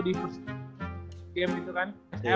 di first game gitu kan